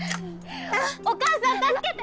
お母さん助けて！